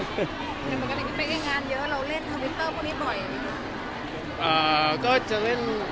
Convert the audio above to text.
ในประกาศนี้ก็เป็นงานเยอะเราเล่นทวิตเตอร์พวกนี้บ่อย